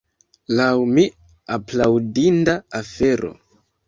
Lau mi aplaudinda afero.